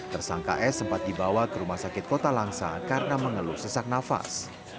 tersangka s sempat dibawa ke rumah sakit kota langsa karena mengeluh sesak nafas